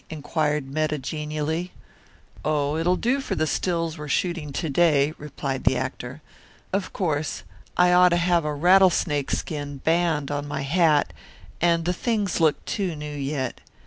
inquired Metta genially. "Oh, it'll do for the stills we're shooting to day," replied the actor. "Of course I ought to have a rattlesnake skin band on my hat, and the things look too new yet.